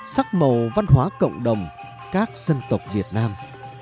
sắc màu văn hóa cộng đồng các dân tộc việt nam